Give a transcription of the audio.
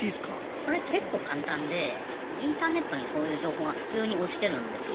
これ結構簡単でインターネットにそういう情報が普通に落ちてるんですよ。